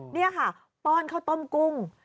นี่ค่ะป้อนข้าวต้มกุ้ง